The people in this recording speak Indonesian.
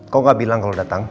kau gak bilang kalau datang